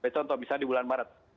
contoh misalnya di bulan maret